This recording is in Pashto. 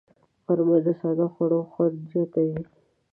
غرمه د ساده خوړو خوند زیاتوي